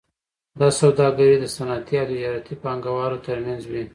دا سوداګري د صنعتي او تجارتي پانګوالو ترمنځ وي